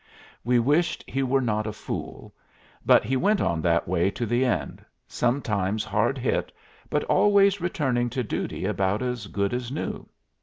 We wished he were not a fool, but he went on that way to the end, sometimes hard hit, but always returning to duty about as good as new.